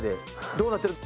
どうなってる？